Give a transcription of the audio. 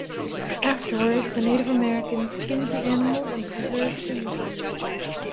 Afterwards, the Native Americans skinned the animals and preserved the meat.